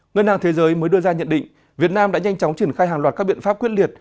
ngân hàng thế giới mới đưa ra nhận định việt nam đã nhanh chóng triển khai hàng loạt các biện pháp quyết liệt